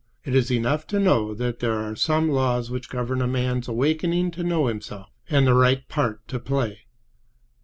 It is enough to know that there are some laws which govern a man's awakening to know himself and the right part to play.